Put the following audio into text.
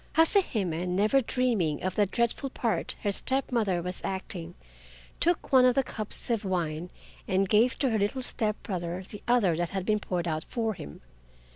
Hase Hime, never dreaming of the dreadful part her step mother was acting, took one of the cups of wine and gave to her little step brother the other that had been poured out for him.